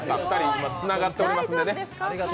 今つながっておりますんでね